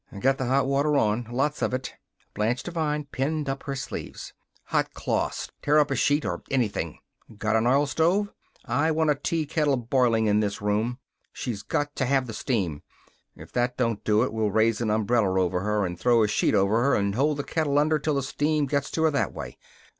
"Get the hot water on lots of it!" Blanche Devine pinned up her sleeves. "Hot cloths! Tear up a sheet or anything! Got an oilstove? I want a tea kettle boiling in the room. She's got to have the steam. If that don't do it we'll raise an umbrella over her and throw a sheet over, and hold the kettle under till the steam gets to her that way.